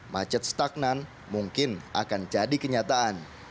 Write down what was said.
macet stagnan mungkin akan jadi kenyataan